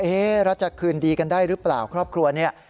เราจะคืนดีกันได้หรือเปล่าครอบครัวเนี่ย